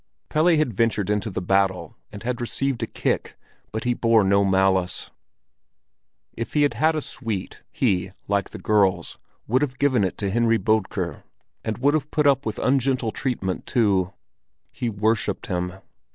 Pelle had ventured into the battle and had received a kick, but he bore no malice. If he had had a sweet, he, like the girls, would have given it to Henry Bodker, and would have put up with ungentle treatment too. He worshipped him.